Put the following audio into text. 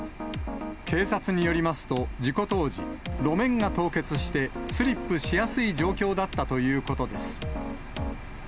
警察によりますと、事故当時、路面が凍結して、スリップしやすい状況だったということです。